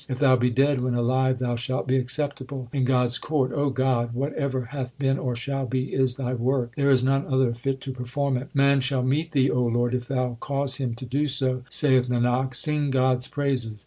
If thou be dead when alive, thou shalt be acceptable in God s court. God, whatever hath been or shall be is Thy work. There is none other fit to perform it. Man shall meet Thee, O Lord, if Thou cause him to do so. Saith Nanak, sing God s praises.